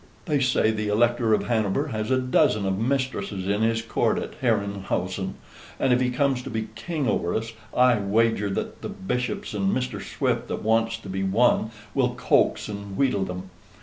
They say the Elector of Hanover has a dozen of mistresses in his court at Herrenhausen, and if he comes to be king over us, I wager that the bishops and Mr. Swift, that wants to be one, will coax and wheedle them.